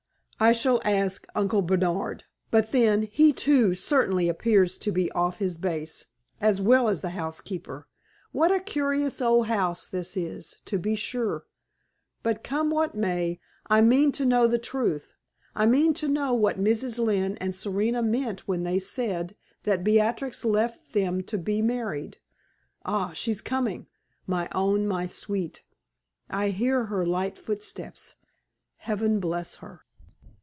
I shall ask Uncle Bernard. But then, he, too, certainly appears to be off his base, as well as the housekeeper. What a curious old house this is, to be sure! But, come what may, I mean to know the truth; I mean to know what Mrs. Lynne and Serena meant when they said that Beatrix left them to be married. Ah! she's coming my own, my sweet! I hear her light footsteps. Heaven bless her!"